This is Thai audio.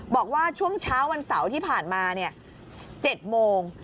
บอกว่าช่วงเช้าวันเสาร์ที่ผ่านมา๗โมง